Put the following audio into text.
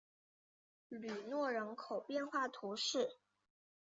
吕诺人口变化图示